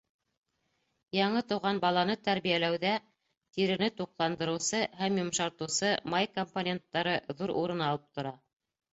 Яңы тыуған баланы тәрбиәләүҙә тирене туҡландырыусы һәм йомшартыусы май компоненттары ҙур урын алып тора.